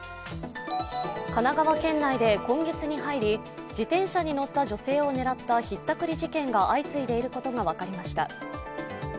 神奈川県内で今月に入り自転車に乗った女性を狙ったひったくり事件が相次いでいることが分かりました。